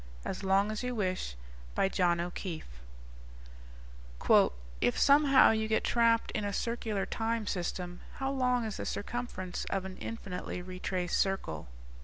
AS LONG AS YOU WISH _If, somehow, you get trapped in a circular time system ... how long is the circumference of an infinitely retraced circle?